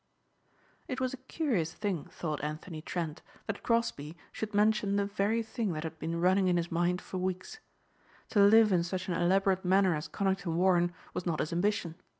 It was a curious thing, thought Anthony Trent, that Crosbeigh should mention the very thing that had been running in his mind for weeks. To live in such an elaborate manner as Conington Warren was not his ambition.